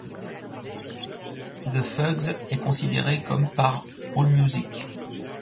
The Fugs est considéré comme par AllMusic.